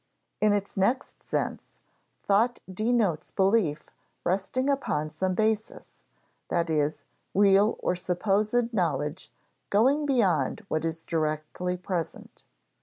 In its next sense, thought denotes belief resting upon some basis, that is, real or supposed knowledge going beyond what is directly present.